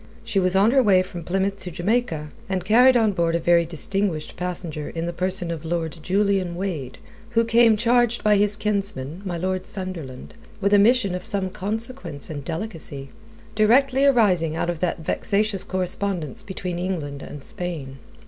She was on her way from Plymouth to Jamaica, and carried on board a very distinguished passenger in the person of Lord Julian Wade, who came charged by his kinsman, my Lord Sunderland, with a mission of some consequence and delicacy, directly arising out of that vexatious correspondence between England and Spain.